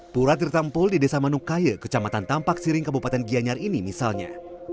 pura tertampul di desa manukaye kecamatan tampak siring kabupaten gianyar ini misalnya